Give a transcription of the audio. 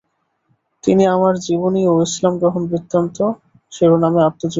তিনি আমার জীবনী ও ইসলাম গ্রহণ বৃত্তান্ত শিরোনামে আত্মজীবনীও রচনা করেছেন।